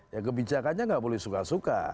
ya kebijakannya nggak boleh suka suka